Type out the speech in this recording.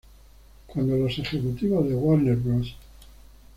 Cuando los ejecutivos de Warner Bros.